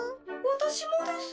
私もです。